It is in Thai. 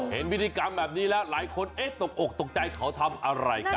เห็นวิธีกรรมแบบนี้แล้วหลายคนตกอกตกใจเขาทำอะไรกัน